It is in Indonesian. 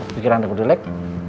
pikiran aku dilek